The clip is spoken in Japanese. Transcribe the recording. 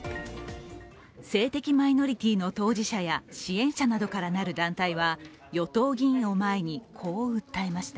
性的マイノリティーの当事者や支援者などからなる団体は与党議員を前にこう訴えました。